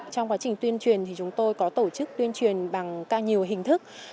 trong quá trình tuyên truyền thì chúng tôi có tổ chức tuyên truyền bằng ca nhiều hình thức